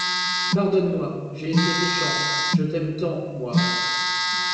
Pardonne-moi, j'ai été méchante, je t'aime tant, moi!